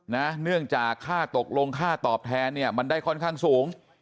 เนื่องจากค่าตกลงค่าตอบแทนเนี่ยมันได้ค่อนข้างสูง